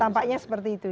tampaknya seperti itu